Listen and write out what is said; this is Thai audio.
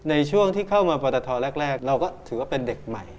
ในช่วงที่เข้ามาปรตทแรกเราก็ถือว่าเป็นเด็กใหม่